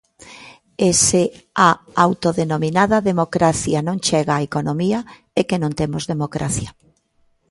E se a autodenominada democracia non chega á economía é que non temos democracia.